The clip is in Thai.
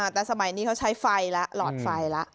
แต่สมัยนี้เขาใช้ไฟละหลอดไฟละ